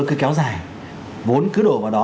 cứ kéo dài vốn cứ đổ vào đó